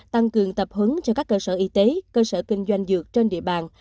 tăng cường tập hứng cho các cơ sở y tế cơ sở kinh doanh dược trên địa bàn